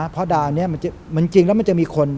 เพราะด่านนี้มันจริงแล้วมันจะมีคน